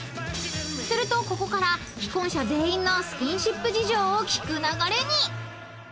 ［するとここから既婚者全員のスキンシップ事情を聞く流れに］